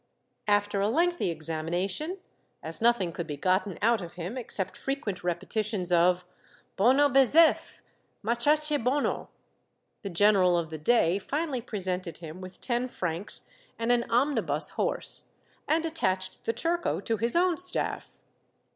After a lengthy examination, as nothing could be gotten out of him except fre quent repetitions of " Bono besef, machache bono!* the general of the day finally presented him with ten francs and an omnibus horse, and attached the turco to his own staff.